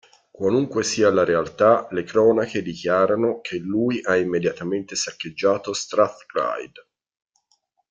Qualunque sia la realtà, le cronache dichiarano che "lui ha immediatamente saccheggiato Strathclyde.